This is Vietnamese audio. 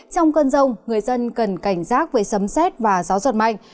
trong cơn rông người dân cần cảnh giác với sấm xét và gió giật mạnh